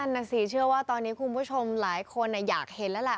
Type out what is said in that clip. น่ะสิเชื่อว่าตอนนี้คุณผู้ชมหลายคนอยากเห็นแล้วล่ะ